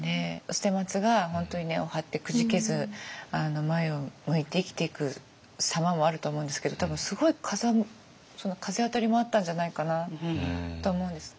捨松が本当に根を張ってくじけず前を向いて生きていく様もあると思うんですけど多分すごい風当たりもあったんじゃないかなと思うんです。